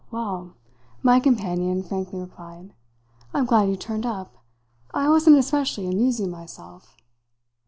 "Well," my companion frankly replied, "I'm glad you turned up. I wasn't especially amusing myself."